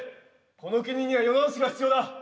この国には世直しが必要だ。